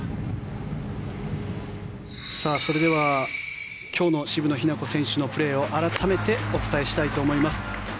それでは、今日の渋野日向子選手のプレーを改めてお伝えしたいと思います。